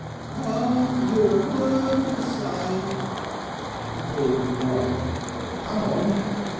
"Can't hear a word you say." He pulled her arm. "Come on!"